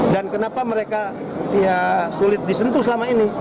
dan kenapa mereka sulit disentuh selama ini